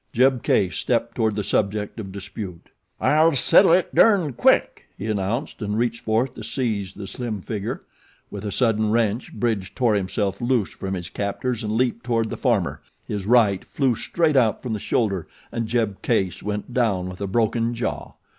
Jeb Case stepped toward the subject of dispute. "I'll settle it durned quick," he announced and reached forth to seize the slim figure. With a sudden wrench Bridge tore himself loose from his captors and leaped toward the farmer, his right flew straight out from the shoulder and Jeb Case went down with a broken jaw.